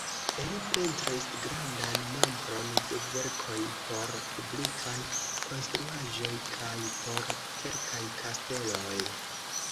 Li pentris grandan nombron de verkoj por publikaj konstruaĵoj kaj por kelkaj kasteloj.